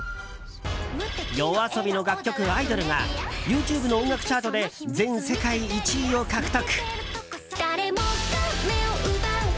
ＹＯＡＳＯＢＩの楽曲「アイドル」がＹｏｕＴｕｂｅの音楽チャートで全世界１位を獲得！